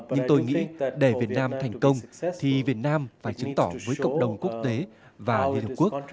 nhưng tôi nghĩ để việt nam thành công thì việt nam phải chứng tỏ với cộng đồng quốc tế và liên hợp quốc